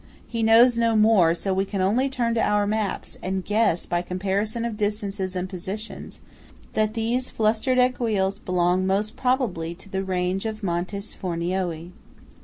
He knows no more; so we can only turn to our maps, and guess, by comparison of distances and positions, that those flustered aiguilles belong most probably to the range of Monte Sfornioi.